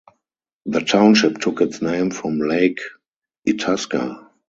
The township took its name from Lake Itasca.